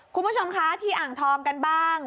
คุณผู้ชมคะที่อ่างทองกันบ้าง